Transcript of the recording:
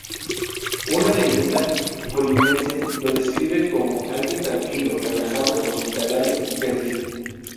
Una leyenda colimense lo describe como "alguien tranquilo, relajado, hospitalario, feliz.